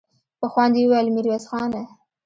په خوند يې وويل: ميرويس خانه!